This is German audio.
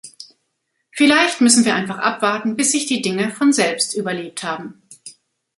Vielleicht müssen wir einfach abwarten, bis sich die Dinge von selbst überlebt haben.